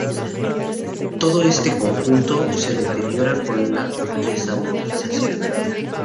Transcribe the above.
Todo este conjunto se deteriora con la desamortización.